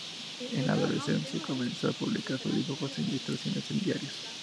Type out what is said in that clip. En la adolescencia comenzó a publicar sus dibujos e ilustraciones en diarios.